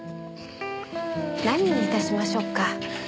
何に致しましょうか？